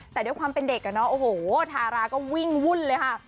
แต่ด้วยความเป็นเด็กอ่ะเนาะโอ้โหทาราก็วิ่งวุ่นเลยค่ะ